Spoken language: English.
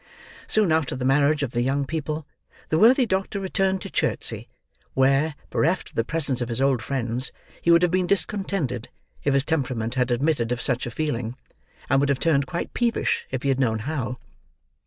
Soon after the marriage of the young people, the worthy doctor returned to Chertsey, where, bereft of the presence of his old friends, he would have been discontented if his temperament had admitted of such a feeling; and would have turned quite peevish if he had known how.